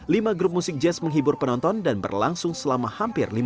lima grup musik jazz menghibur penonton dan berlangsung selama hampir